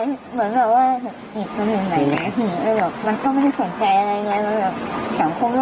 ก็เหมือนแบบว่าผิดมันอยู่ไหนแล้วพี่มันก็ไม่ได้สนใจอะไรอย่างเงี้ย